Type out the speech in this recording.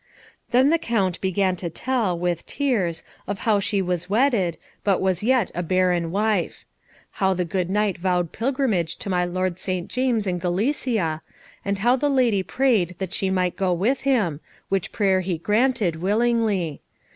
Then the Count began to tell, with tears, of how she was wedded, but was yet a barren wife; how the good knight vowed pilgrimage to my lord St. James in Galicia, and how the lady prayed that she might go with him, which prayer he granted willingly.